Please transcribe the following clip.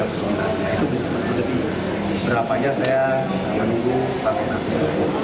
manifest itu kita tahu satu ratus tiga puluh menit itu berapa saja saya menunggu sampai nanti